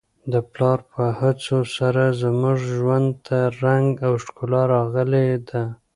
د پلار په هڅو سره زموږ ژوند ته رنګ او ښکلا راغلې ده.